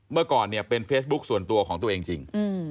เมื่อก่อนเนี่ยเป็นเฟซบุ๊คส่วนตัวของตัวเองจริง